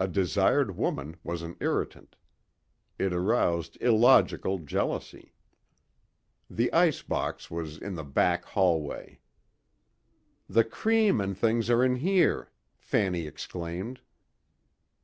A desired woman was an irritant. It aroused illogical jealousy. The icebox was in the back hallway. "The cream and things are in here," Fanny exclaimed.